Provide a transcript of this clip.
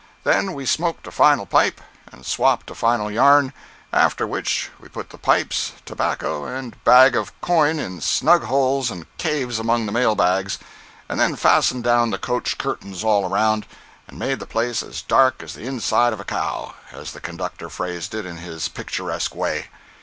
Then we smoked a final pipe, and swapped a final yarn; after which, we put the pipes, tobacco and bag of coin in snug holes and caves among the mail bags, and then fastened down the coach curtains all around, and made the place as "dark as the inside of a cow," as the conductor phrased it in his picturesque way.